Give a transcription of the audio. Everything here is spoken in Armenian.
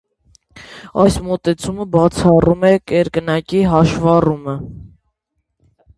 Այս մոտեցումը բացառում է կրկնակի հաշվառումը։